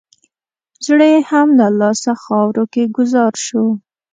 زړه یې هم له لاسه خاورو کې ګوزار شو.